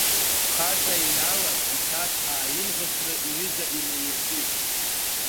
Хаҵа еинаалак исааҭ ааимӷыхны иҩыза инеииркит.